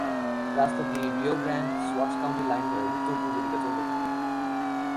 রাস্তাটি রিও গ্রান্ড-সোয়াচ county line হয়ে উত্তর-পূর্ব দিকে চলতে থাকে।